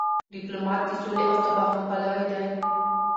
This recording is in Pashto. ډيپلومات د سولي او تفاهم پلوی دی.